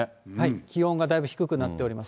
気温がだいぶ低くなっております。